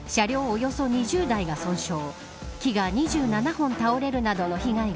およそ２０台が損傷。